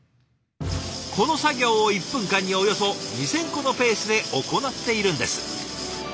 この作業を１分間におよそ２，０００個のペースで行っているんです。